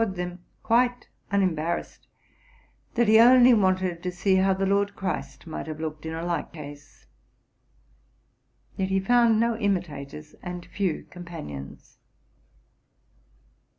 910 TRUTH AND FICTION them, quite unembarrassed, that he only wanted to see how the Lord Christ might have looked in a like case. Yet he found no imitators and few companions.